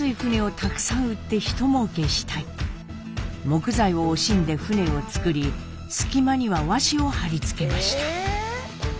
木材を惜しんで船をつくり隙間には和紙を貼り付けました。